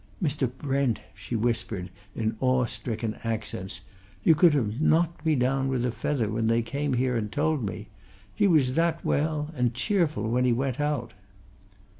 "Mr. Brent," she whispered, in awe stricken accents, "you could have knocked me down with a feather when they came here and told me. He was that well and cheerful when he went out!"